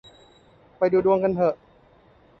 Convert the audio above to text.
ไปดูดวงกันเหอะ